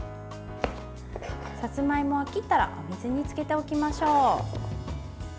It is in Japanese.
さつまいもは切ったらお水につけておきましょう。